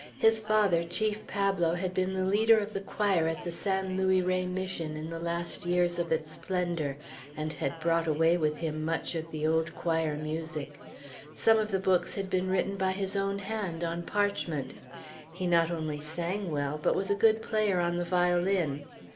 His father, Chief Pablo, had been the leader of the choir at the San Luis Rey Mission in the last years of its splendor, and had brought away with him much of the old choir music. Some of the books had been written by his own hand, on parchment. He not only sang well, but was a good player on the violin.